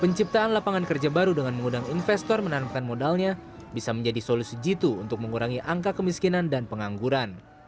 penciptaan lapangan kerja baru dengan mengundang investor menanamkan modalnya bisa menjadi solusi jitu untuk mengurangi angka kemiskinan dan pengangguran